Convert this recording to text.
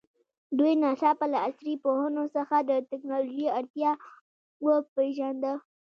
دوی ناڅاپه له عصري پوهنو څخه د تکنالوژي اړتیا وپېژانده.